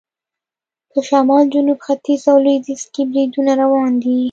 په شمال، جنوب، ختیځ او لویدیځ کې بریدونه روان دي.